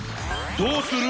どうする？